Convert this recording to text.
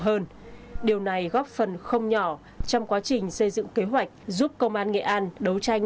hơn điều này góp phần không nhỏ trong quá trình xây dựng kế hoạch giúp công an nghệ an đấu tranh